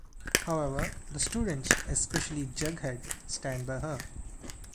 However, the students-especially Jughead-stand by her.